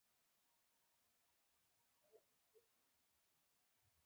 هغسې چې تمه کېده نه ده ځلېدلې.